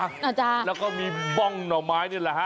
เหรอจ้ะแล้วก็มีบ้องหน่อไม้นี่แหละฮะ